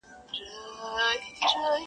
د غم او د ښادۍ کمبلي ورکي دي له خلکو-